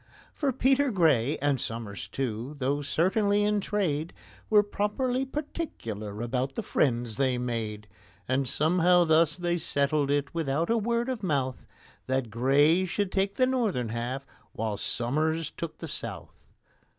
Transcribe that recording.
For PETER GRAY, and SOMERS too, though certainly in trade, Were properly particular about the friends they made; And somehow thus they settled it without a word of mouth— That GRAY should take the northern half, while SOMERS took the south.